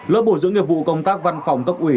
lớp bổ dưỡng nghiệp vụ công tác văn phòng cấp ủy